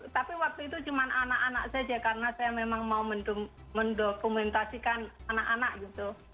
tapi waktu itu cuma anak anak saja karena saya memang mau mendokumentasikan anak anak gitu